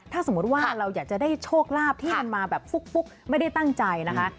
ถ้าสมมุติว่าเราอยากจะได้โชคลาภที่มันมาแบบฟุกไม่ได้ตั้งใจนะคะ